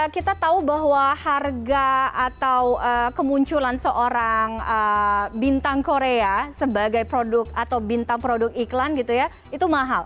kita tahu bahwa harga atau kemunculan seorang bintang korea sebagai produk atau bintang produk iklan gitu ya itu mahal